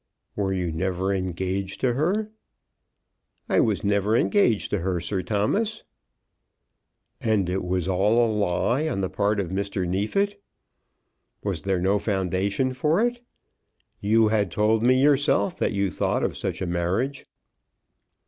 "Were you never engaged to her?" "I was never engaged to her, Sir Thomas." "And it was all a lie on the part of Mr. Neefit? Was there no foundation for it? You had told me yourself that you thought of such a marriage."